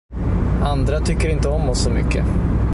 Andra tycker inte om oss så mycket.